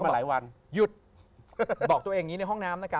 บอกตัวเองอย่างงี้ในห้องน้ำ